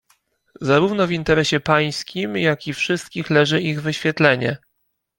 "Zarówno w interesie pańskim, jak i wszystkich leży ich wyświetlenie."